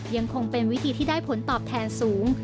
ยังคงเป็นวิธีที่ได้ผลตอบแทนสูง